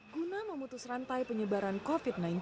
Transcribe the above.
guna memutus rantai penyebaran covid sembilan belas